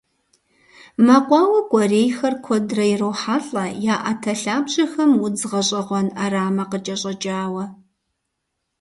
Мэкъуауэ кӏуэрейхэр куэдрэ ирохьэлӏэ я ӏэтэ лъабжьэхэм удз гъэщӏэгъуэн ӏэрамэ къыкӏэщӏэкӏауэ.